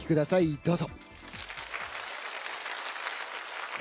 どうぞ。